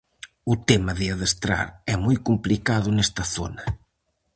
O tema de adestrar é moi complicado nesta zona.